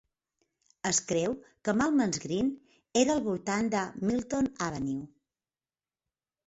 Es creu que Maltmans Green era al voltant de Milton Avenue.